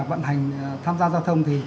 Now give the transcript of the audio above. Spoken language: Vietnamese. vận hành tham gia giao thông thì